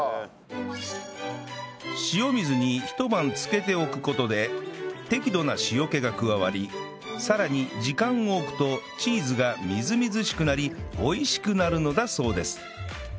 塩水に一晩浸けておく事で適度な塩気が加わりさらに時間を置くとチーズがみずみずしくなり美味しくなるのだそうです